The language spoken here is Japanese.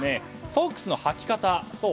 ソックスのはき方。